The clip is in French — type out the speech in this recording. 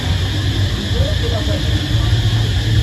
Où donc est la voiture ?